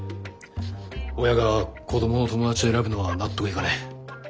親が子どもの友達を選ぶのは納得いかねえ。